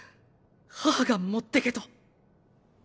母が持ってけと。